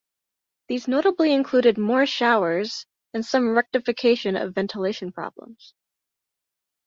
These notably included more showers, and some rectification of ventilation problems.